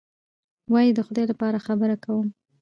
وایي: د خدای لپاره خبره کوم.